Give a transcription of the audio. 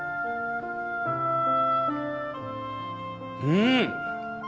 うん！